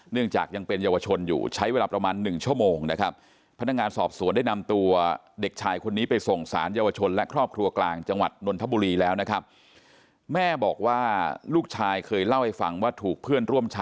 เนื่องจากยังเป็นเยาวชนอยู่